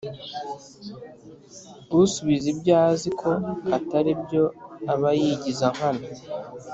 usubiza ibyo azi ko atari byo aba yigiza nkana